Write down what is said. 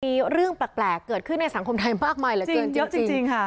มีเรื่องแปลกเกิดขึ้นในสังคมไทยมากมายเหลือเกินเยอะจริงค่ะ